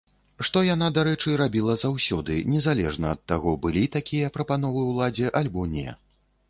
Што яна, дарэчы рабіла заўсёды, незалежна ад таго, былі такія прапановы ўладзе, альбо не.